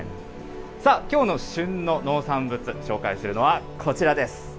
さあ、きょうの旬の農産物、紹介するのはこちらです。